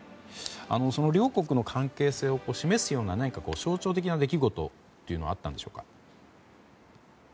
両国の関係性を示すような何か象徴的な出来事というのはあったんでしょうか？